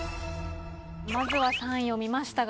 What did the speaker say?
まずは３位を見ましたが。